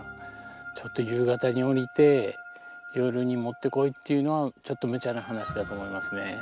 ちょっと夕方に下りて夜に持ってこいっていうのはちょっとむちゃな話だと思いますね。